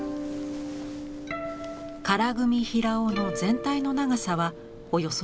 唐組平緒の全体の長さはおよそ４ｍ。